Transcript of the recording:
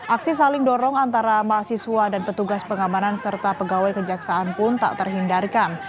aksi saling dorong antara mahasiswa dan petugas pengamanan serta pegawai kejaksaan pun tak terhindarkan